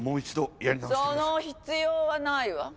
その必要はないわ。